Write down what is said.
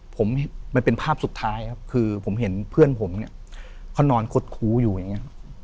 ผมมันเป็นภาพสุดท้ายครับคือผมเห็นเพื่อนผมเนี่ยเขานอนคดคู้อยู่อย่างเงี้ครับ